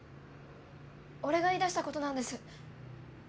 俺が言いだしたことなんです。